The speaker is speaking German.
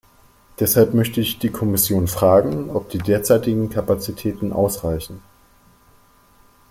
Deshalb möchte ich die Kommission fragen, ob die derzeitigen Kapazitäten ausreichen.